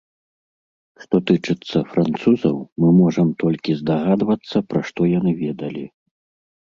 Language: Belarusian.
Што тычыцца французаў, мы можам толькі здагадвацца, пра што яны ведалі.